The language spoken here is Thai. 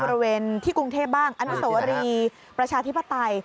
บริเวณที่กรุงเทพบ้างอนุสวรีประชาธิปไตย